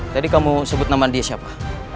tadi kamu sebut nama dia siapa